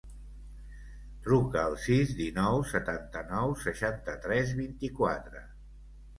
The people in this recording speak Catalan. Truca al sis, dinou, setanta-nou, seixanta-tres, vint-i-quatre.